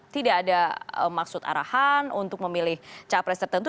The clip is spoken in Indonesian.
tidak ada maksud arahan untuk memilih capres tertentu